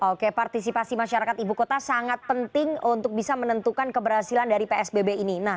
oke partisipasi masyarakat ibu kota sangat penting untuk bisa menentukan keberhasilan dari psbb ini